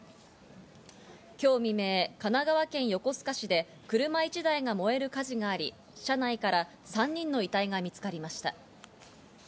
今日未明、神奈川県横須賀市で車１台が燃える火事があり、車内から３人の遺体が見つかりました。